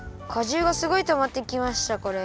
じゅうがすごいたまってきましたこれ。